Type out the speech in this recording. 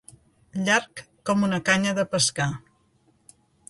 Llarg com una canya de pescar.